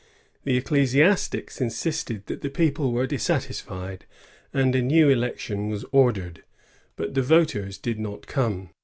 The ecclesiastics insisted that the people were dissatisfied, and a new election was ordered, but the voters did not come.